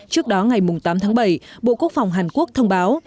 trước đó ngày tám tháng bảy bộ quốc phòng hàn quốc thông báo